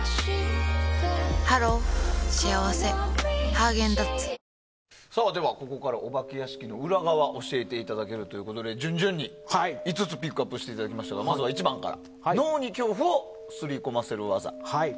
サントリー「金麦」では、ここからお化け屋敷の裏側を教えていただけるということで順々に５つピックアップしていただきましたがまずは１番、脳に恐怖を刷り込ませる技。